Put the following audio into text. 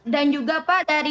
dan juga pak dari